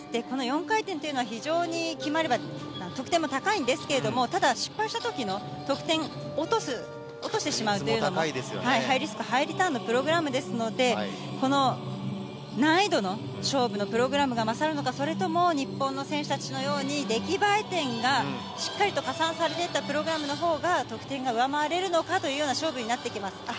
この４回転というのは、非常に決まれば得点も高いんですけれども、ただ、失敗したときの得点落とす、落としてしまうというのも、ハイリスク、ハイリターンのプログラムですので、この難易度の勝負のプログラムが勝るのか、それとも日本の選手たちのように出来栄え点がしっかりと加算されていったプログラムのほうが得点が上回れるのかという勝負になってきます。